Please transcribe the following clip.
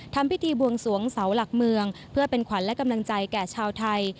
ทำพิธีบวงสวงเสาหลักเมืองเพื่อเป็นขวัญและกำลังใจแก่ชาวไทย